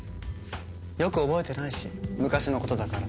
よく覚えてないし昔の事だから。